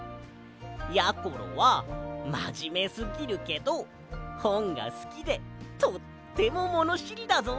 やころはまじめすぎるけどほんがすきでとってもものしりだぞ。